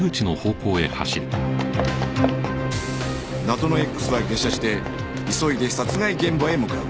謎の Ｘ は下車して急いで殺害現場へ向かう